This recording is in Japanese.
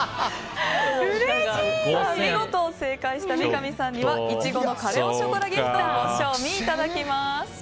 見事正解した三上さんには苺のカレ・オ・ショコラＧＩＦＴをご賞味いただきます。